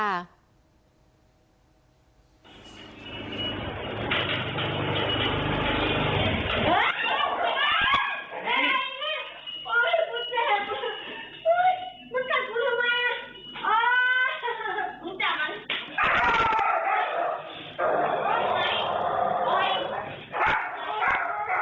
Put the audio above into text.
มันกัดคุณมั้ย